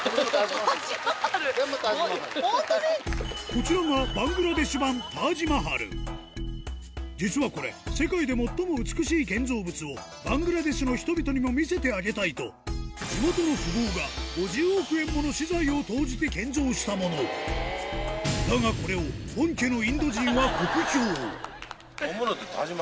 こちらが実はこれ世界で最も美しい建造物をバングラデシュの人々にも見せてあげたいと地元の富豪が５０億円もの私財を投じて建造したものだがこれを本物はね。